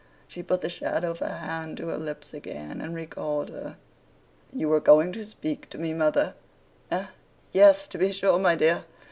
She put the shadow of a hand to her lips again, and recalled her. 'You were going to speak to me, mother.' 'Eh? Yes, to be sure, my dear.